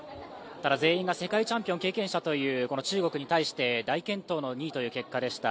全員が世界チャンピオン経験者という中国に対して大健闘の２位という結果でした。